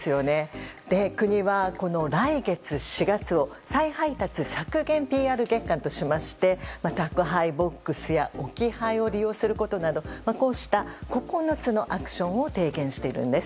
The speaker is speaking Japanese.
国は来月４月を再配達削減ＰＲ月間としまして宅配ボックスや置き配を利用することなどこうした９つのアクションを提言しているんです。